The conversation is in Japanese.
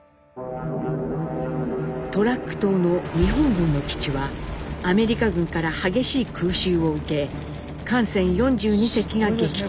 トラック島の日本軍の基地はアメリカ軍から激しい空襲を受け艦船４２隻が撃沈